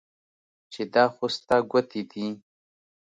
چې دا خو ستا ګوتې دي